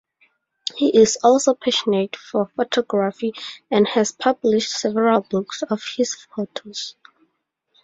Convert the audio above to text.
He is also passionate for photography and has published several books of his photos.